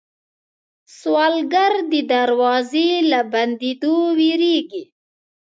سوالګر د دروازې له بندېدو وېرېږي